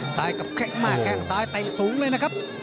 ซ้ายกับแค่งมากแค่งซ้ายแต่งสูงเลยนะครับ